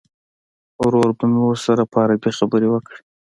ورور به مې ورسره په عربي خبرې وکړي.